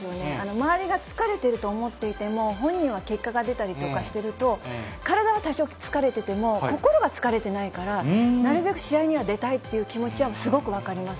周りが疲れてると思っていても、本人は結果が出たりとかしてると、体は多少疲れてても、心が疲れてないから、なるべく試合には出たいっていう気持ちはすごく分かります。